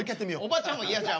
おばちゃんも嫌じゃ。